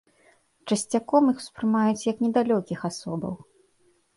Часцяком іх успрымаюць як недалёкіх асобаў.